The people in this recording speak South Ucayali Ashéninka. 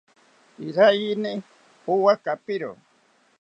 Iraiyini owa kapiro